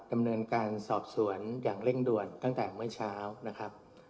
ดำเนินการสอบสวนอย่างเร่งด่วนตั้งแต่เมื่อเช้านะครับ